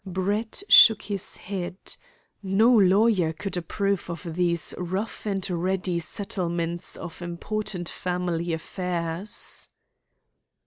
Brett shook his head. No lawyer could approve of these rough and ready settlements of important family affairs.